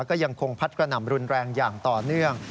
ก็ยังคงพัดกระหน่ำรุนแรงอย่างต่อเนื่อง